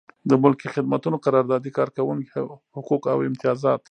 د ملکي خدمتونو قراردادي کارکوونکي حقوق او امتیازات.